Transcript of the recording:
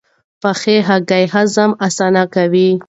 پخې هګۍ هضم اسانه کوي.